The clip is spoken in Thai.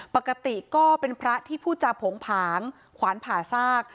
ปกติก็เป็นพระที่พูดจาโผงผางขวานผ่าซาก